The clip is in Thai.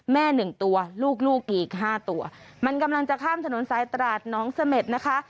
แม่๑ตัวลูกอีก๕ตัวมันกำลังจะข้ามถนนซ้ายตระหนองเสม็ดนะคะ